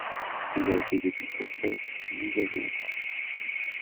Il a été depuis sans cesse mis à jour.